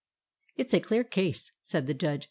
" It 's a clear case," said the Judge.